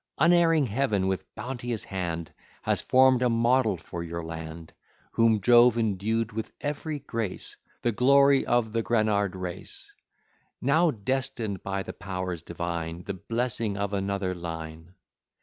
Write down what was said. Unerring Heaven, with bounteous hand, Has form'd a model for your land, Whom Jove endued with every grace; The glory of the Granard race; Now destined by the powers divine The blessing of another line.